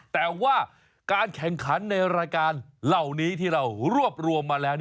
แต่ว่าการแข่งขันในรายการเหล่านี้ที่เรารวบรวมมาแล้ว